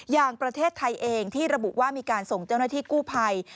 อย่างประเทศไทยเองที่ระบุว่ามีการส่งเจ้าหน้าที่กู้ภัย